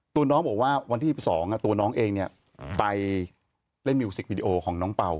ตัวน้องบอกว่าวันที่๑๒ตัวน้องเองไปเล่นมิวสิกวิดีโอของน้องเป่า